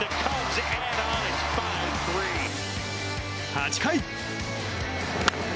８回。